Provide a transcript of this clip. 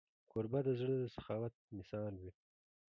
کوربه د زړه د سخاوت مثال وي.